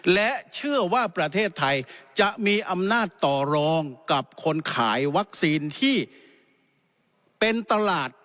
และเชื่อว่าประเทศไทยจะมีอำนาจต่อรองกับคนขายวัคซีนที่เป็นตลาด